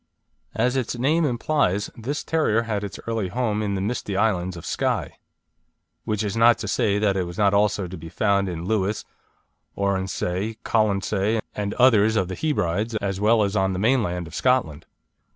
As its name implies, this terrier had its early home in the misty island of Skye; which is not to say that it was not also to be found in Lewis, Oronsay, Colonsay and others of the Hebrides, as well as on the mainland of Scotland.